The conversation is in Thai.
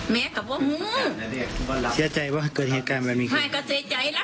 ย่ายนี่สิเอาค้อนหนึ่งตีจน